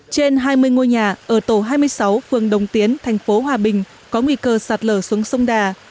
trên hai mươi ngôi nhà ở tổ hai mươi sáu phường đồng tiến thành phố hòa bình có nguy cơ sạt lở xuống sông đà